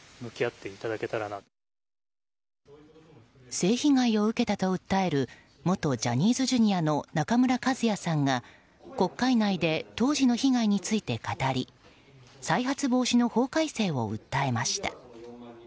性被害を受けたと訴える元ジャニーズＪｒ．の中村一也さんが国会内で当時の被害について語り再発防止の法改正を訴えました。